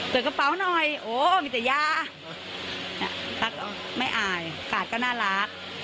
กระเป๋าหน่อยโอ้มีแต่ยาตักไม่อายกาดก็น่ารัก